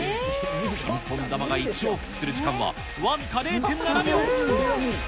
ピンポン球が１往復する時間は僅か０．７秒。